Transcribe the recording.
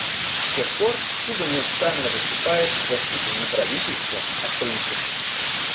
С тех пор Куба неустанно выступает в защиту не правительства, а принципа.